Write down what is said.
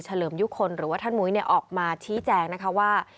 เลิมยุคลหรือว่าท่านมุ้ยออกมาชี้แจงนะคะว่า